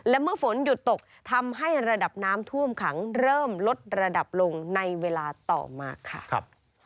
และเมื่อฝนหยุดตกทำให้ระดับน้ำท่วมขังเริ่มลดระดับลงในเวลาต่อมาค่ะ